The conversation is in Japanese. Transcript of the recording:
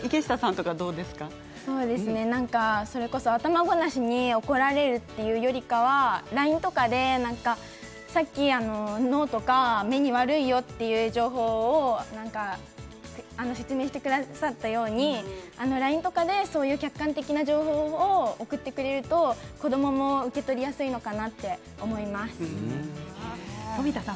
それこそ頭ごなしに怒られるというよりかはＬＩＮＥとかでさっき脳や目に悪いよという情報を説明してくださったようにＬＩＮＥとかで客観的な情報を送ってくれると子どもも受け取りやすいのかなと冨田さん